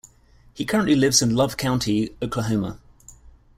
He currently lives in Love County, Oklahoma.